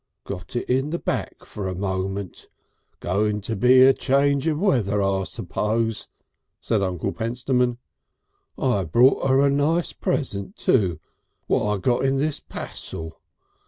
"Got it in the back for a moment. Going to be a change of weather I suppose," said Uncle Pentstemon. "I brought 'er a nice present, too, what I got in this passel.